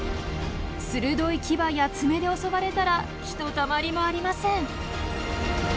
鋭い牙や爪で襲われたらひとたまりもありません。